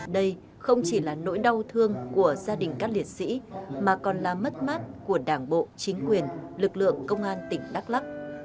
đây không chỉ là nỗi đau thương của gia đình các liệt sĩ mà còn là mất mát của đảng bộ chính quyền lực lượng công an tỉnh đắk lắc